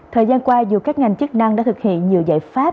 thời gian qua dù các ngành chức năng đã thực hiện nhiều giải pháp